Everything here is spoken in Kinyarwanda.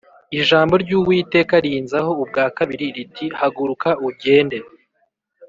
Ijambo ry’Uwiteka rinzaho ubwa kabiri riti Haguruka ugende